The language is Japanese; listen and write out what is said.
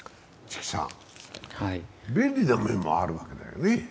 便利な面もあるわけだよね。